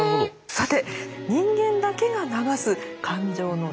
さて人間だけが流す感情の涙。